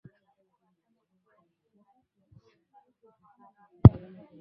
Magonjwa yanayobainika kwa mkojo mwekundu